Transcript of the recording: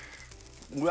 うわ